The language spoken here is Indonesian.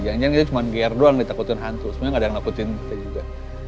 jangan jangan itu cuma geer doang yang ditakutin hantu sebenarnya nggak ada yang takutin kita juga